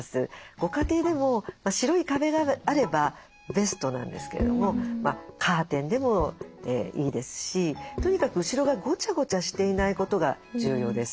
ご家庭でも白い壁があればベストなんですけれどもカーテンでもいいですしとにかく後ろがごちゃごちゃしていないことが重要です。